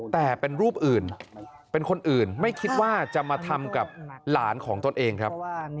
แต่เป็นรูปอื่นเป็นคนอื่นไม่คิดว่าจะมาทำกับหลานของตนเองครับ